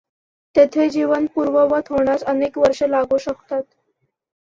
तेथे जीवन पूर्ववत होण्यास, अनेक वर्षे लागू शकतात.